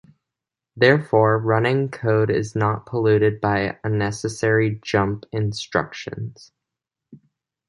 Therefore, running code is not polluted by unnecessary jump instructions.